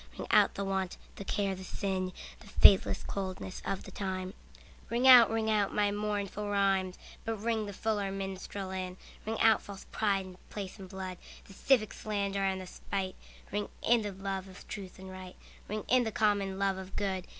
Ring out the want, the care the sin, The faithless coldness of the times; Ring out, ring out my mournful rhymes, But ring the fuller minstrel in. Ring out false pride in place and blood, The civic slander and the spite; Ring in the love of truth and right, Ring in the common love of good.